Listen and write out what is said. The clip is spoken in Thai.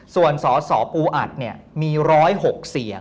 ส่วนสอสอปอู่อัดเนี่ยมี๑๐๖เสียง